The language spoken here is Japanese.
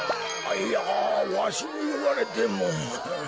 いやわしにいわれても。